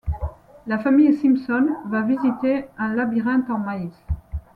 La famille Simpson va visiter un labyrinthe en maĩs.